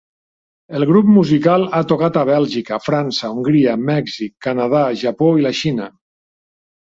El grup musical ha tocat a Bèlgica, França, Hongria, Mèxic, Canadà, Japó i la Xina.